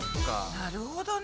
なるほどね。